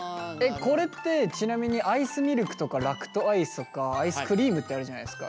これってちなみにアイスミルクとかラクトアイスとかアイスクリームってあるじゃないですか。